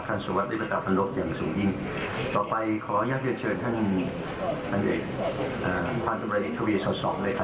ท่านสวัสดิ์วิทยาลัยภัณฑ์ธนโลกอย่างสูงยิ่งต่อไปขออนุญาตเยอะเชิญท่านท่านอัศวิทยาลัยภัณฑ์ธุรกิจทวีสสองเลยครับ